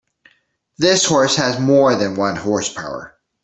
This horse has more than one horse power.